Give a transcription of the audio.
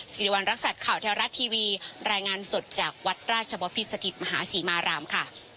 สิริวัณรักษัตริย์ข่าวแท้รัฐทีวีรายงานสดจากวัดราชบพิษสถิตมหาศรีมารามค่ะ